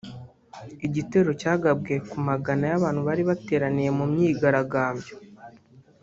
Igitero cyagabwe ku magana y’abantu bari bateraniye mu myigaragambyo